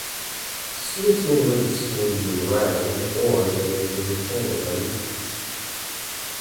Students may live at school year round or they may visit family on weekends.